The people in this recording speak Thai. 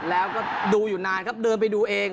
แล้วก็ดูอยู่นานครับเดินไปดูเอง